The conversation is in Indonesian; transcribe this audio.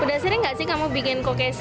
sudah sering gak sih kamu bikin kokeshi